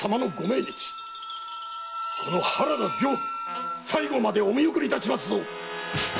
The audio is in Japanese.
この原田刑部最後までお見送りいたしますぞ！